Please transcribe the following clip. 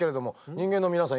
人間の皆さん